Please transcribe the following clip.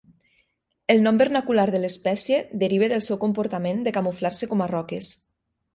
El nom vernacular de l'espècie deriva del seu comportament de camuflar-se com a roques.